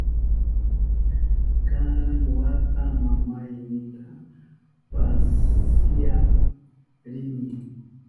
Karan wata mamaynita pasyak rini.